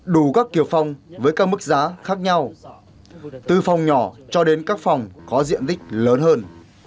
đủ các kiểu phòng với các mức giá khác nhau từ phòng nhỏ cho đến các phòng có diện tích lớn hơn